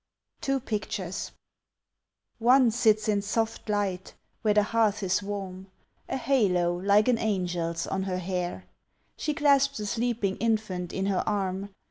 Two Pictures One sits in soft light, where the hearth is warm, A halo, like an angel's, on her hair. She clasps a sleeping infant in her arm.